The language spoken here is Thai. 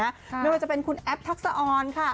เนื่องจากจะเป็นคุณแอปทักษออน